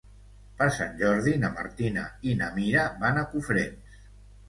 Per Sant Jordi na Martina i na Mira van a Cofrents.